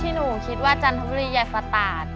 ที่หนูคิดว่าจันทบุรีใหญ่กว่าตาศ